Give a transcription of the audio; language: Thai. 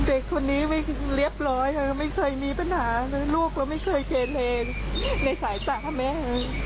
เด็กคนนี้ไม่เรียบร้อยไม่เคยมีปัญหาเลยลูกเราไม่เคยเพลงในสายตาพระแม่